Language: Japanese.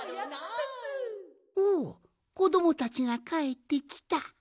おおこどもたちがかえってきた。